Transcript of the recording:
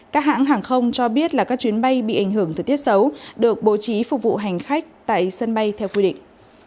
các hãng hàng không cho biết là các chuyến bay bị ảnh hưởng thời tiết xấu được bố trí phục vụ hành khách tại sân bay theo quy định